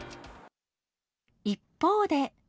一方で。